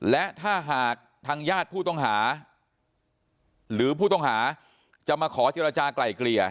และถ้าหากทางญาติผู้ต้องหาหรือผู้ต้องหาจะมาขอเจรจากลายเกลี่ย